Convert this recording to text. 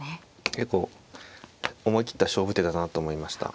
結構思い切った勝負手だなと思いました。